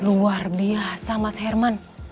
luar biasa mas herman